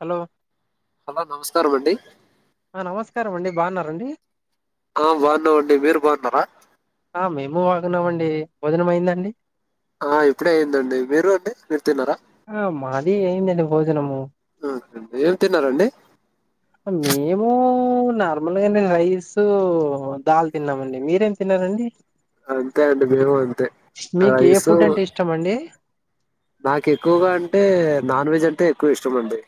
Hello hello నమస్కారం అండి. ఆ నమస్కారం అండి బాగున్నండి. ఆ బాగున్నామండి మీరు బాగున్నారా ఆ మేము వాగున్నామండి భోజనం అయిందండి ఆ ఇప్పుడే అయిందండి మీరు అండి మీరు తిన్నారా ఇ ఎండీ అండి భోజనము ఓకే అండి ఏం తిన్నారండి మేము నార్మల్గా రైస్ దాల్ తిన్నామండి మీరేం తిన్నరండి అంతే అంటడి మేము అంతే ఆ మీకు ఇ ఏ సో ఫుడ్ అంటే ఇష్టం అండి నాకు ఎక్కువగా అంటే నాన్ వెజ్ అంటే ఎక్కువ ఇష్టంమండి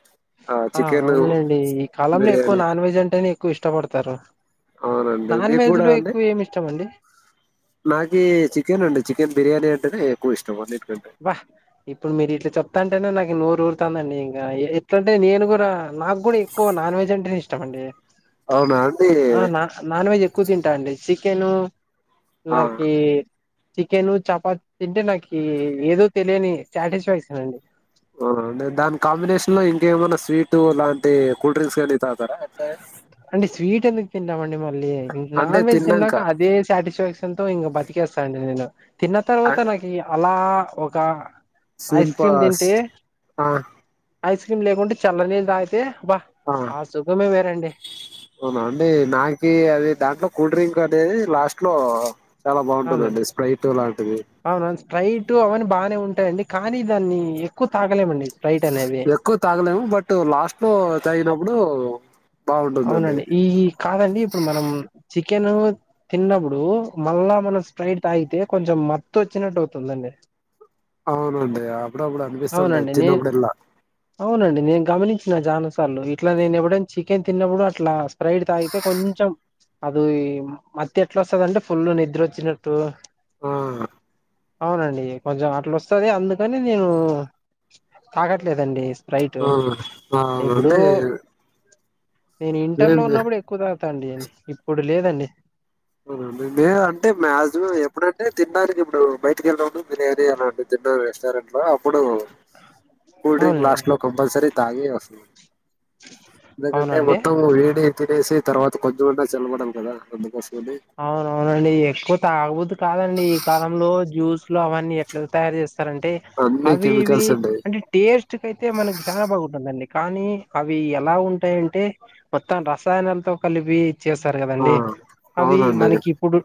ఆ అవునులేండి ఈ కాలంలో ఎక్కువ బిర్యానీ నాన్ వెజ్ అంటేనే ఎక్కువ ఇష్టం ఇష్టపడతారు అవునండి నాన్ మీకు వెజ్ కూడా లో అండి ఎక్కువ ఏమి ఇష్టం అండి నాకీ చికెన్ అండి చికెన్ బిర్యానీ అంటేనే ఎక్కువ ఇష్టమా మీకు వా ఇప్పుడు మీరు ఇట్లా చెప్తాంటేనె నాక్ నూరు ఊరుతాందండి ఇంకా ఎట్లంటే నేను కూడా నాకు కూడా ఎక్కువ నాన్ వెజ్ అంటేనే ఇష్టం అండి అవునా అండి ఆ నా నాన్ వెజ్ ఎక్కువ తింటా అండి చికెను ఆ నాకీ చికెను చపాతి తింటే నాకీ ఏదో తెలియని సాటిస్ఫాక్షన్ అండి అవునా అండి దాని కాంబినేషన్ లో ఇంకేమన్నా స్వీటు లాంటి కూల్ డ్రింక్స్ కాని తాగుత్ తర అట్లే మిక్ తిన్న మండి మ డి నాన్ వెజ్ తిన్నాక అదే సాటిస్ఫక్షన్ చికెన్ తో ఇంకా బతికేస్తా అండి నేను తిన్న తర్వాత నాకి అలా ఒక ఐస్ క్రీమ్ సిల్పాస్ తింటే ఆ ఐస్ క్రీమ్ లేకుంటే చల్లని నీళ్లు తాగితే బా ఆ సుఖమే వేరండి అవునా అండి నాకీ అది దాంట్లో కూల్ డ్రింక్ అనేది లాస్ట్ లో చాలా బాగుంటుందండి అవునండి స్ప్రైట్ లాంటిది అవునవును స్ప్రైట్ అవన్నీ బానే ఉంటాయండి కానీ దాన్ని ఎక్కువ తాగలేమండి స్ప్రైట్ అనేది ఎక్కువ తాగలేము. బట్ లాస్ట్ లో తాగినప్పుడు బాగుంటుందండి అవునండి ఈ కాదండి ఇప్పుడు మనం చికెన్ తిన్నప్పుడు మళ్ళా మనం స్ప్రైట్ తాగితే కొంచెం మత్తు వచ్చినట్టు అవుతుందండి. అవునండి అప్పుడ అప్పుడు అనిపిస్తుంటుంది అవునండి నే తిన్నప్పుడు అల్లా అవునండి నేను గమనించిన చాలాసార్లు ఇట్లా నేను ఎప్పుడన్నా చికెన్ తిన్నప్పుడు అట్లా స్ప్రైట్ తాగితే కొంచెం అది మత్తు ఎట్లా వస్తదంటే ఫుల్ నిద్రొచ్చినట్టు ఆ అవునండి కొంచెం అట్లు వస్తుంది అందుకని నేను తాగట్లేదండి. స్ప్రైట్ ఊ ఊ ఎప్పుడో ఆండి నేను ఇంటర్ లో ఉన్నప్పుడు ఎక్కువ తాగు అండి ఇప్పుడు లేదండి. ఊ లేదంటే మాక్సిమం ఎప్పుడంటే తినడానికి ఇప్పుడు ఇడు బయటికి వెళ్ళతె బిర్యానీ అలాంటి తిన్న రెస్టారెంట్ లో అప్పుడు కూల్ డ్రింక్ లాస్ట్ అవునులేండి లో కంపల్సరీ తాగే వస్తా అవునా ఎందుకంటే అండి మొత్తము వీడి తినేసి తర్వాత కొంచెం అన్న చల్లబడాలి కదా అందుకోసం. అవును అవునండి ఎక్కువ తాగబుద్ధి కాదండి ఈ కాలంలో జ్యూస్లు అవన్నీ ఎట్లా తయారు చేస్ స్తారు అంటే అన్ని అవి ఇవి కెమికల్స్ అండి అంటే టేస్ట్ కయితే మనకి చాలా బాగుంటుందండి. కానీ అవి ఎలా ఉంటాయి అంటే మొత్తం రసాయనాలతో కలిపి చేస్తారు ఆ గదండీ. అవి అవునండి మనకి ఇప్పుడు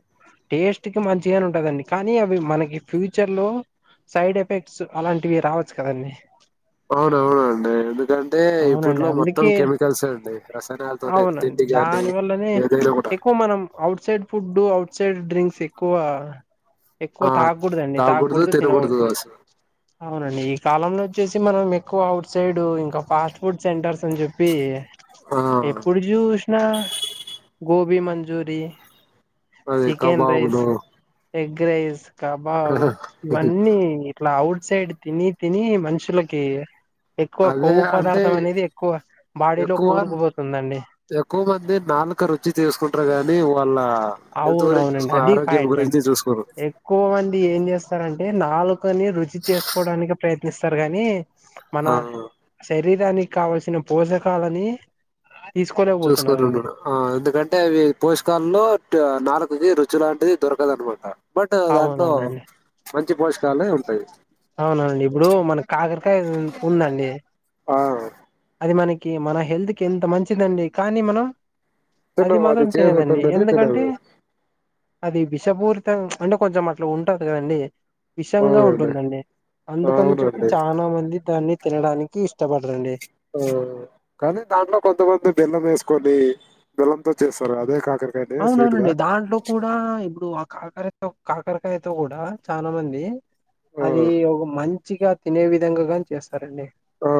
టేస్ట్ కి మంచిగానే ఉంటుదండి. కానీ అవి మనకి ఫ్యూచర్ లో సైడ్ ఎఫెక్ట్స్ అలాంటివి రావచ్చు కదండీ. అవునవునండి ఎందుకంటే అవునండి ఇప్పట్లో మొత్తం అందుకే కెమికల్స్ అండి. రసాయనాలతో అవునండి తిండి గానీ ఏదైనా కూడా. Outside food, outside drinks ఎక్కువ. ఎక్కువ ఆ తాగకూడదండి. తాగకూడదు, తినకూడదు అవునండి కాలంలో వచ్చేసి మనం ఎక్కువ ఔట్ సైడ్ ఇంకా ఫాస్ట్ ఫుడ్ సెంటర్స్ అని చెప్పి ఆ ఎప్పుడు జూషు నా గోబి మంజురి [inaudible] అదే కాబాబుదొ ఎగ్ రైస్ కబాబు ఇవన్నీ ఇట్లా అవుట్ సైడ్ తిని తిని మనుషులకి ఎక్కువ అదే కొవ్వు అంటే పదార్థం అనేది ఎక్కువ బాడీలో ఎక్కువ కూరుకుపోతుందండి ఎక్కువ మంది నాలుక రుచి చేసుకుంటారు గానీ వాళ్ళ హెల్త్ గురించి అవునవునండి చూసుకొరు అది ఆరోగ్యం పాయింట్ గురించి చూసుకొరు తరు అంటే నాలుక్ కొన్ని రుచి చేసుకోడానికి ప్రయత్ ఇస్తారు గాని మన ఆ శరీరాని కావల్సిన పోషకాలని చూసుకోరు తీసుకోలేకపోతున్నారండి కూడ ఆ ఎందుకంటే అవి పోష్ కల్లో నాలుకకి రుచి లాంటిది దొరకదు అనమాట అవునవునండి పోషకాలే ఉంటాయి అవునండి ఇప్పుడు మనకు కాకరకాయ ఉందండి ఆ అది మనక్ కి మన హెల్త్ కి ఎంత మంచిదండి కానీ మనం అది తిన్నాము మాత్రం చేదు తినరండి ఉంటుందని ఎందుకంటే తినము అది విషపూరితం అంటే కొంచెం అట్లా ఉంటది కదండి విషంగా అవునండి ఉంటుందండి అందుకని చెప్పి అవునండి చాలా మంది దాన్ని తినడానికి ఇష్టపడరండి ఆ కానీ దాంట్లో కొంతమంది బెల్లం వేసుకొని బెల్లంతో చేస్తారు అదే కాదు అవునవునండి దాంట్లో కూడా ఇప్పుడు కాకరతో కాకరకాయతో కూడా చాలా మంది ఆ అది ఒక మంచిగా తినే విధంగా చేస్ ఆ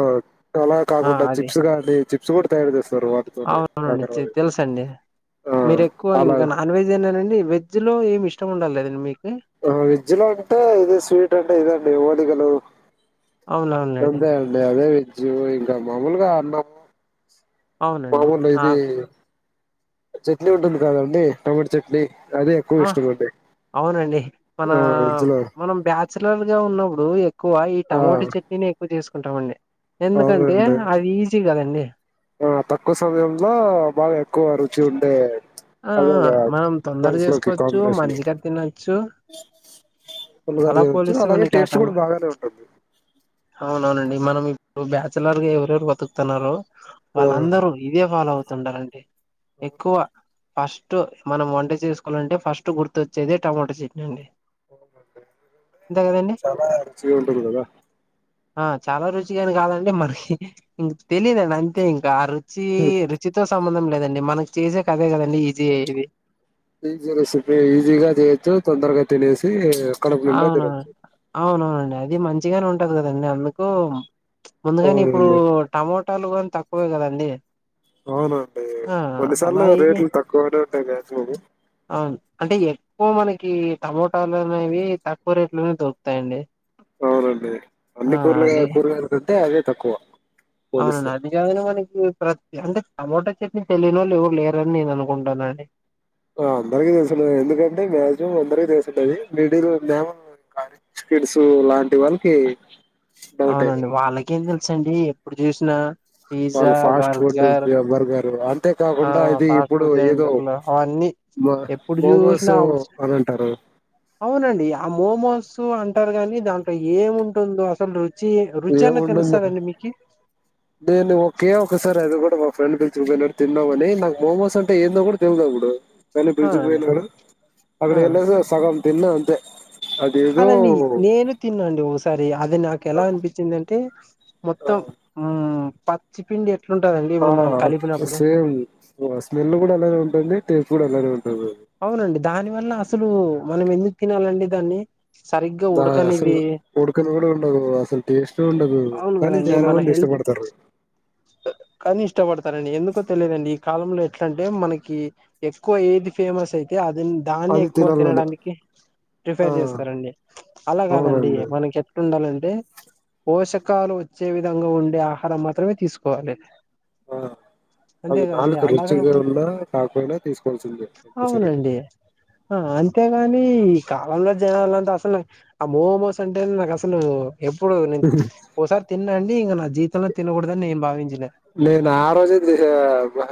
అలా ఆ కాకుండా చిప్స్ కానీ చిప్స్ కూడా తయారు చేస్తారు వాటితోనే అవుననండి చే కాకరవి తెలుసండి ఆ మీరు ఎక్కువ అలా ఇంకా నాన్ వేజే నా నండి వెజ్ వెజ్ లో ఏమి ఇష్టం ఉండలేదు మీకు వెజ్ లో అంటే ఇది స్వీట్ అంటే ఇదండి దిగలు అవునవునులేండి అంతే అండి అదే వెజ్ ఇంకా మా ముల్ గా అన్నం అవునండి మామూల్ ఆ ఇది చట్నీ ఉంటుంది కదండి టమాటో చట్నీ అదే ఎక్కువ ఆ ఇష్టం అండి అవునండి మన ఆ వెజ్ లో మనం బ్యాచలర్ గా ఉన్నప్పుడు ఎక్కువ ఈ ఆ టమాటో చట్నీని ఎక్కువ చేస్ ఉంటామండి అవునండి ఆ తక్కువ సమయంలో బాగా ఎక్కు అరుచి ఉంటే ఆ మనం తొందర చేసుకోవచ్చు కాంబినేషన్ మంచిగా తినొచ్చు పుల్లగా అలా చేయవచ్చు పోలిస్తే అలాగే మన టేస్ట్ కేటమా కూడా బాగానే ఉంటుంది అవునవునండి మనం ఇప్పుడు బ్యాచలర్ గా ఎవరెవరు బతుకుతున్నార ఆ వాళ్ళ అందరు ఇదే ఫాల్ అవుతు ఉండాలండి పోగురుదు ఫస్ట్ మనం వంట చేసుకోవాలంటే ఫస్ట్ గుర్తొచ్చేది టమోటా చెట్న ఎందుకంటే చాలా రుచిగా ఉంటది కదా ఆ చాలా రుచిగాని కాదండి మరి ఇంక తెలీదండి అంతే ఇంకా రు చి రుచితో సంబంధం దండి మనకి చేసే కదే కదా అ ఈజీ ఇవి ఈజీ రెసిపీ ఈజిగా చేచ్చు తొందరగా తినసి కడపు ని అవును తెరచ్చదు అవునవునండి అది మంచిగానే ఉంటది కదండి అందుకు ముందుగాని ఇప్పుడు అవునండి టమో చట్టాలు కానీ తక్కువే కదండి అవునండి ఆ అలా కొన్నిసార్లు అయి రేట్లు తక్కువ కాంగ్రాట్స్ అండి వు అంటే ఎక్కువ మనకి టమోటాలు అనేవి తక్కువ రేట్లోనే దొకుతాయిండి అవునండి అన్ని కూరలుగా కూరగాలు క అ అదే తక్కువ అవునండి పోలిస్తే. అది కాదనే మనకి ప్రతి అంటే టమోటా చట్నీ సెలిన వాళ్ళు ఇవ లేరని నేను అనుకుంటాన అండి అందరికి తెలుసు ఎందుకంటే మక్సిమం అందరికి తెలుసుది మిడిల్ కాల కిడ్స్ లాంటి ఇటి వాళ్ళకి డౌట్ అయిదడి తెచ్చండి ఎప్పుడు చూసినా ఫ పిజ్జా, ఫాస్ట్ ఫుడ్ బర్గర్ ఇ బర్గర్ అ ఆ ఫాస్ట్ ఫుడ్ అవన్నీ మ ఎప్పుడు మోమోస్ చూసినా అ అని అంటారు. అవునండి ఆ మోమోస్ అంటారు కాగాని దాంట్లో ఏము ఉంటుందో అసలు రు ఏం ఉంటుంది నేను ఒకే ఒకసారి అది కూడా ఫ్రెండ్ కొంచం వెనక్ తిన్నావని నాకు మోమోస్ అంటే ఏందో కూడా తెలిదు ఇప్పుడు వెళ్ళే ఆ బ్రిడ్జి అండి పోయినాడు ఆ అక్కడకి వెళ్ళేసి సగం తిన్నా అంతే అదేదో కాదండి నేను తిన్నాండి ఓసారి అది నాకు ఎలా అనిపించిందంటే తే మొత్తం అ పచ్చి పిండి ఎ ఆ సేమ్ స్మెల్ కూడా అలానే ఉంటుంది టేస్ కూడా అలానే ఉంటుంది అవునండి దాని వల్ల అసలు మనం ఎందుకు తినాలండి దాన్ని సరిగ్గా దా అసలు ఉడకనిది కొడుకన కూడా ఉండదు అసలు టేస్ట్ ఉండదు అవును కానీ కదండి చాలా మన మంది హెల్త్ కి ఇష్టపడతారు కానీ ఇష్టపడతారండి ఎందుకో తెలియదండి ఈ కాలంలో ఎట్లంటే మనకి ఎక్కువ ఏది ఫేమస్ అయితే అ దాన్ని అది ఎక్కువ తినాలని తినడానికి ఆ ప్రిఫేర్ చేస్తారండి అలా కాదండి అవునండి మనకి ఎక్కడ ఉండాలంటే అంటే పోషకాలు వచ్చే విధంగా ఉండే ఆహారం మాత్రమే తీసుకోవాలి ఆ అది అంతేకాదండి నాలుగు అలాగా రుచిగా ఉన్నా కాకపోయినా తీసుకోవచ్చండి అవునండి ఆ అంతేగాని కాలంలో జనాలంతా అసలు ఆ మో మోస్ అంటే నాకు అసలు ఎప్పుడు నేను ఒకసారి తిన్నా అండి తీ ఇంకనాది నేను ఆ రోజే చేసిన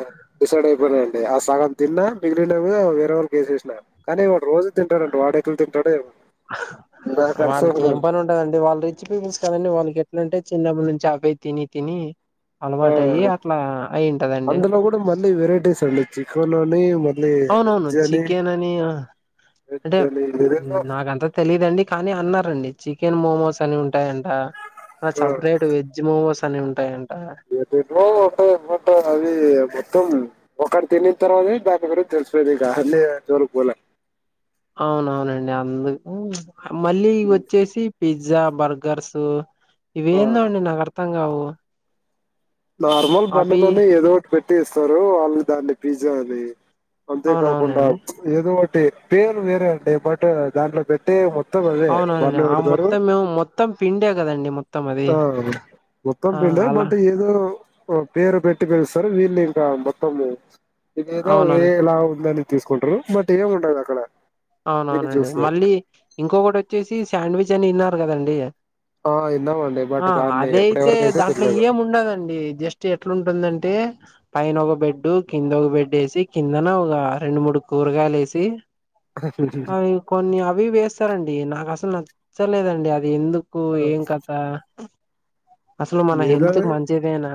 సైడ్ అయిపోయినాండి అ సగం తిన్నా మిగిలినవి వేరే వాళ్ళకి వసేసినా కానీ వారు రోజు తింటాడంట వాడు ఎక్కడ తింటాడో ఏమో నాకు అర్థం వాళ్ళకి ఏం కాదు పని ఉంటదండి వాళ్ళ రిచ్ పీపుల్స్ కదండి వాళ్ళకి ఎట్లాంటే చిన్నప్పుడు నుంచి చాక్లేట్ తిని తిని ఆ అలవాటు అయ్యి అట్లా అయింటదండి చికునుని మెవో అవును అవును చికెన్ అని అంటే వెజ్ అని ఏదేదో నాకంతా తెలిదండి కానీ అన్నారండి చికెన్ మోమోస్ అని ఉంటాయింట అ సపరేట్ వెజ్ మోమోస్ అటనే ఉంటాయండి ఏ ఉంటంట ఎవో అది మత్తం ఒక్కడ్ తిని న్ తర్వాతే దాక బర తెలిసిపోది ఇక అన్నీ జోరుకి పోలే అవును అవునండి అందుకు మళ్ళీ వచ్చేసి పిజ్జా బర్గర్స్ ఆ ఎవియెంధో అండి నాకు అర్థం కావు ఆ నార్మల్ పంన్నలోనే ఏదో ఒకటి పెట్ పెట్టేస్తారు వాళ్ళు దాన్ని పిజ్జా అని అంతే కాకుండా అవునవునండి ఏదో పేర్ వేరే అండి బట్ దాంట్లో పెట్టటి మ అవుననండి ఆ మొత్తం మేము మొత్తం పిండే కదండి మొత్తం అది ఆ మొత్తం ఆ పిండే అలా బట్ ఏదో పేరు పెటి పిలుస్తారు వీళ్ళు ఇంకా మొత్తము ఇదో అవునవును ఏలా ఉంద తీసుకుంటారు బట్ ఏమి ఉంటదు అక్కడ తిని అవునవునండి చూస్తే మళ్ళీ ఇంకొకటి వచ్చేసి శాండ్విచ్ ఇన్నారు కదండి ఆ విన్నామండి బట్ ఆ దాన్ని అదయితే ఎప్పుడెవరికైతే దాంట్లో తినలేదు ఏమి ఉండదండి జస్ట్ ఎట్లాంటుందంటే పైన ఒక బెడ్ కింద ఒక బెడ్ వేసి కిందన ఒక రెండు మూడు కూరగాయలు వేసి అ కొన్ని అవి వేస్తారండి నాకు అస అసలు నచ్చలేదండి అది ఎందుకు అకు ఏం కత అసలు మన హెల్త్ కి మంచిదేనా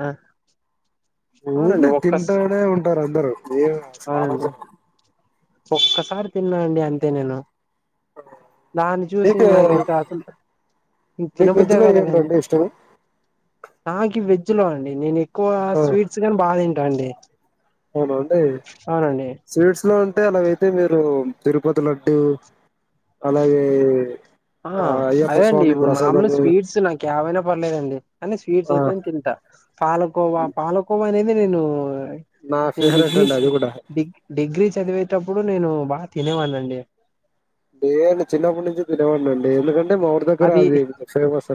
అవునండి ఊరిని ఒక్క తింటూనే ఉంటారు అందరుూ మ అసలు అవునండి ఆలోచన ఒక్కసారి తిన్నా అండి అంతే నేను దాన్ని చూసి మీకు నాకు ఇంకా అసలు ఇంక మీకు వెజ్ తినబుధే లో కాలేదండి ఏంటండి ఇష్టం నాకి వెజ్ లో అండి నేను ఎక్కువ స్వీట్స్ ని బాగా తంటాండి అవున అండి స్వీట్స్ లో అంటే అలాగైతే మీరు తరుపతి లడ్డు అలాగే ఆ అదే అయ్యప్ప అండి స్వామి ఇప్పుడు మామూలు ప్రసాదము స్వీట్స్ నాకు ఏవైనా పర్లేదండి అని స్వీట్స్ ఆ అయితే తింటా పాలకోవా పాలకోవా అనేది నేను నా ఫేవరెట్ డిగ్రీ అండి అది కూడా గ డిగ్రీ చదివే ఎటప్పుడు నేను బాగా తినేవాడి అండి ేడి చిన్నప్పుడు నుంచి త తెినవాడిండి ఏందుడి అంట మోర్ దగ రా అది అదు దక్షస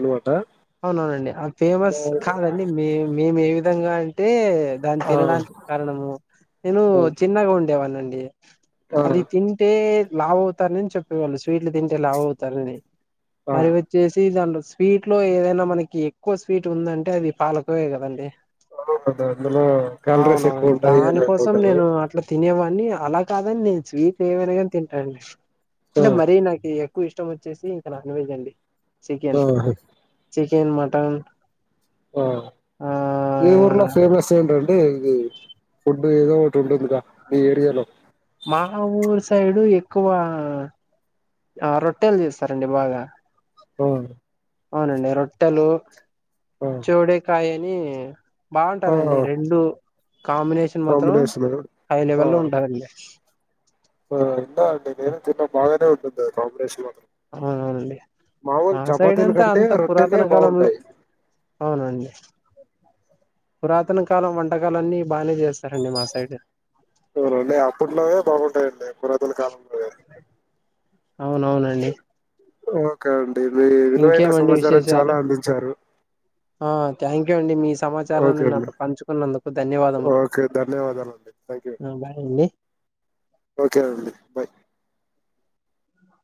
అవునవునండి అ ఫేమస్ కాదండి మే మేము ఏ విధంగా టె దాని ఆ తినడానికి కారణము నేను చిన్నగా ఉండేవాన్ని అండి ఆ అది తింటే లావు అవుతానని చెప్పేవాళ్ళు స్వీట్లు తింటే లావు అవుతారని ఆ మరి వచ్చేసి దాంట్లో స్వీట్ స్వీట్ లో ఏదైనా మనకి ఎక్కువ స్వీట్ ఉందంటే అది పానకమే కదండి అవున అందులో క్యాలరీస్ అవునవునండి ఎక్ల్ట్యింటాయి దానికోసం నేను అట్లా తినేవాడిని అలా కాదండి నేను స్వీట్ ఏమనగాని తింటాను ఆ ఇంట మరీ నాక ఎక్కువ ఇష్టం వచ్చేసి ఇంకా నాన్ వెెజ్ అండి చికెన్ ఓహ చికెన్ మటన్ ఆ ఆ మీ ఊర్లా ఫేమస్ ఏంటండి అంటే ఇది ఫుడ్ ఏదో ఒకటి ఉంటుందిగా మీ ఏరియాలో మా ఊరు సైడు ఎక్కువ ఆ రొట్టెలు చేస్తారండి బాగా పోవు అవునండి రొట్టెలు ఆ చెవడే కాయ మ్మ్ ఆ బాగుంటాదండి రెండు కాంబినేషన్ మాత్రం కాంబినేషన్ ఆ హై లెవెల్ లో ఉంటదండి ఆ ఎడి నేను చిన్న బాగానే ఉంటది కాంగ్రేస్ లో అవుననండి మా సైడ్ చపాతీల అంతా కంటే అంత పురాతన రొట్టెలే కాలంలో బాగుంటాయి అవునండి పురాతన కాలం వంటకలు అన్నీ బాగానే చేస్తారండి మా సైడ్ రండి అప్పట్లోనే బాగుంటాయండి పురాతన కాలంలో అవునవునండి ఓకే అన్ అ మీ విలువైన ఇంకేమండి సమాచారం చాలా విశేషాలు అందించారు ండి మీస్ ఓకే అండి ధన్యవాదములు ఓకే ధన్యవాదాలు అండి థ్యాంక్ యూ అండి ఆ బాయ్ అండి ఓకే అండి బయ్